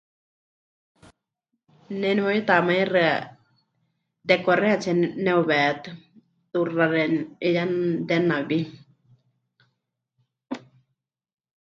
Ne nemeyutamaixɨa de correatsie neheuwétɨ, mɨtuxa xeeníu, 'iyá de nawí.